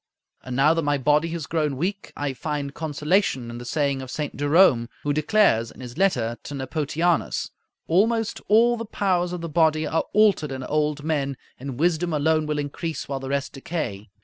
And now that my body has grown weak, I find consolation in the saying of St. Jerome, who declares in his letter to Nepotianus, "Almost all the powers of the body are altered in old men, and wisdom alone will increase while the rest decay."